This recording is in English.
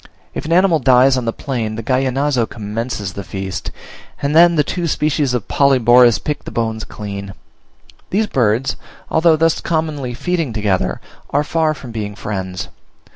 If an animal dies on the plain the Gallinazo commences the feast, and then the two species of Polyborus pick the bones clean. These birds, although thus commonly feeding together, are far from being friends.